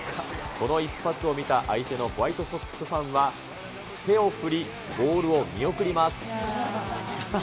この一発を見た相手のホワイトソックスファンは、手を振り、ボールを見送ります。